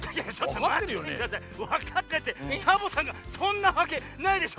わかってってサボさんがそんなわけないでしょ！